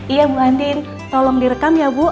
iya bu andin tolong direkam ya bu